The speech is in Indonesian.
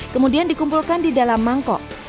kemudian dikumpulkan di dalam mangkok